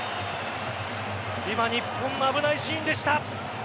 今、日本危ないシーンでした。